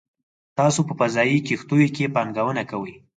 تاسو په فضايي کښتیو کې پانګونه کوئ